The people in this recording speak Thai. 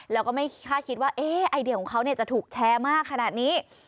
แล้วก็ไม่คาดคิดว่าไอเดียของเขาจะถูกแชร์มากขนาดนี้